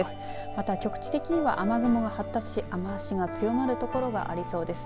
また局地的には雨雲が発達し雨足が強まる所がありそうです。